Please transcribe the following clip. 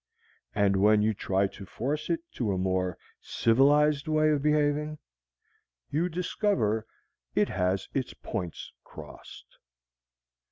And when you try to force it to a more civilized way of behaving, you discover it has its points crossed.